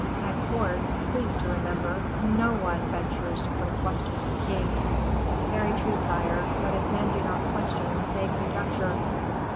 At court, please to remember, no one ventures to put a question to the king." "Very true, sire; but if men do not question, they conjecture."